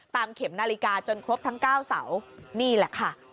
เข็มนาฬิกาจนครบทั้ง๙เสานี่แหละค่ะ